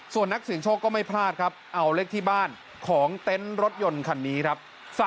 ส่วนนักเสียงโชคก็ไม่พลาดครับเอาเลขที่บ้านของเต็นต์รถยนต์คันนี้ครับ